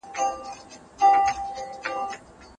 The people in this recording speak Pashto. ایا په سهار کي د پښو په تلو ګرځېدل د زړه لپاره ښه دي؟